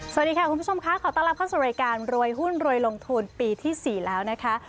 สวัสดีค่ะคุณผู้ชมค่ะขอต้อนรับเข้าสู่รายการรวยหุ้นรวยลงทุนปีที่๔แล้วนะคะ